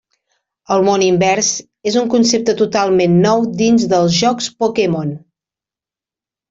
El Món Invers és un concepte totalment nou dins dels jocs Pokémon.